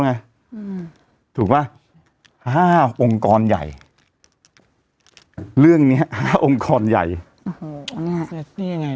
ไงอืมถูกป่ะห้าองค์กรใหญ่เรื่องเนี้ยห้าองค์กรใหญ่โอ้โหเนี้ยยังไง